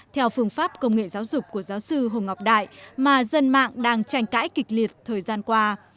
theo phương pháp công nghệ giáo dục của giáo sư hồ ngọc đại mà dân mạng đang tranh cãi kịch liệt thời gian qua